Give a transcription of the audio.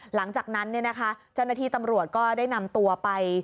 หลังจากนั้นเนี่ยนะคะเจ้าหน้าที่ตำรวจก็ได้นำตัวไป